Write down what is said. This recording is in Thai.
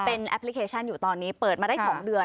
เป็นแอปพลิเคชันอยู่ตอนนี้เปิดมาได้๒เดือน